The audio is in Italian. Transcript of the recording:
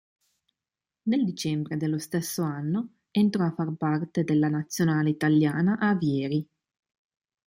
Nel dicembre dello stesso anno entrò a far parte della Nazionale Italiana Avieri.